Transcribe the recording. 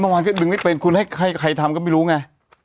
เมื่อวานก็ดึงไม่เป็นคุณให้ใครทำก็ไม่รู้ไง